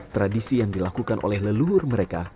tradisi yang dilakukan oleh leluhur mereka